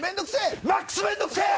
マックス面倒くせえ！